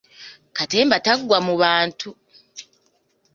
Katemba taggwa mu bantu!